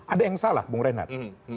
ada yang salah bung renat